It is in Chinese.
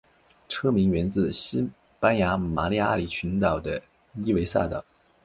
车名源自西班牙巴利阿里群岛的伊维萨岛。